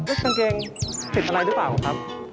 เลือกกางเกงผิดอะไรรึเปล่าครับ